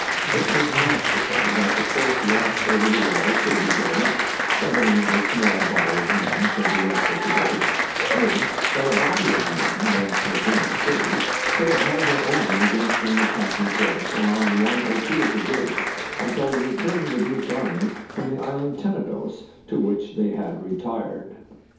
It was natural that the close watch over the wall should be given up, that only a small body of men should be left at the gates, and that a body of men, once within the city, could have held their own against an at tacking force around one or two of the gates until the return of the Greek army from the island Tene dos, to which they had retired.